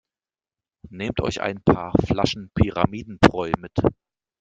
Nehmt euch ein paar Flaschen Pyramidenbräu mit!